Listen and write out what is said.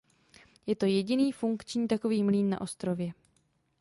Je to jediný funkční takový mlýn na ostrově.